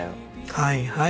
はいはい。